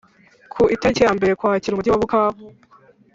ku itariki ya mberekwakira , umujyi wa bukavu